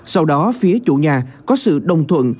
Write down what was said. sau đó phía chủ nhà có sự đồng thuận